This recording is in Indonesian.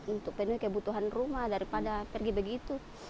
untuk penuh kebutuhan rumah daripada pergi begitu